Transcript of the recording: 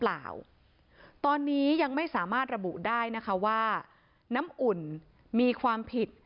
ตอนนี้ยังไม่สามารถระบุได้นะคะว่าน้ำอุ่นมีความผิด